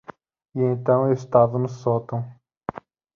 E então eu estava no sótão.